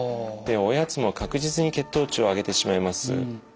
でおやつも確実に血糖値を上げてしまいます。